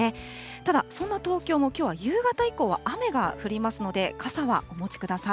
ただ、そんな東京もきょうは夕方以降は雨が降りますので、傘はお持ちください。